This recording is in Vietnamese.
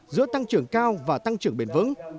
giữa tăng trưởng cao và tăng trưởng bền vững